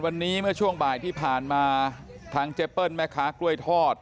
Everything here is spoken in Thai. วันนี้เมื่อช่วงบ่ายที่ผ่านมาทางเจเปิ้ลแม่ค้ากล้วยทอด